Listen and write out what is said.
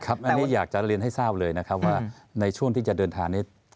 อันนี้อยากจะเรียนให้ทราบเลยนะครับว่าในช่วงที่จะเดินทางนี้